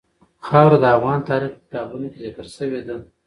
خاوره د افغان تاریخ په کتابونو کې ذکر شوی دي.